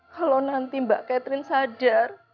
kalau nanti mbak catherine sadar